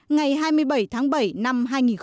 ngày hai mươi bảy tháng bảy năm hai nghìn một mươi chín